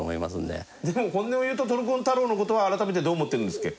でも本音を言うとトルコン太郎の事は改めてどう思ってるんですっけ？